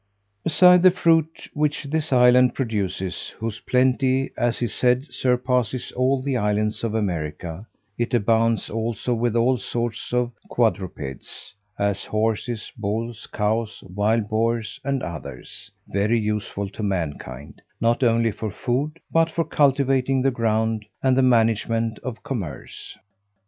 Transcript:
Beside the fruit which this island produces, whose plenty, as is said, surpasses all the islands of America; it abounds also with all sorts of quadrupeds, as horses, bulls, cows, wild boars, and others, very useful to mankind, not only for food, but for cultivating the ground, and the management of commerce.